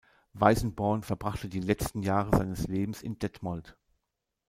Weißenborn verbrachte die letzten Jahre seines Lebens in Detmold.